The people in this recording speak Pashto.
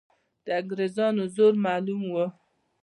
د انګریزانو زور معلوم وو.